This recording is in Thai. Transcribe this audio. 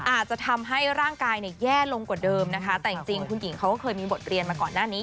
อาจจะทำให้ร่างกายเนี่ยแย่ลงกว่าเดิมนะคะแต่จริงคุณหญิงเขาก็เคยมีบทเรียนมาก่อนหน้านี้